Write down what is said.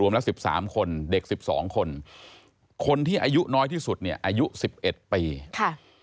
รวมละสิบสามคนเด็กสิบสองคนคนที่อายุน้อยที่สุดเนี่ยอายุสิบเอ็ดปีค่ะ